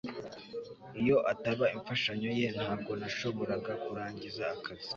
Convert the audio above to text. iyo ataba imfashanyo ye, ntabwo nashoboraga kurangiza akazi